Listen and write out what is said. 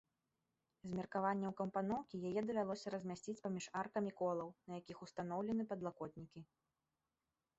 З меркаванняў кампаноўкі яе давялося размясціць паміж аркамі колаў, на якіх устаноўлены падлакотнікі.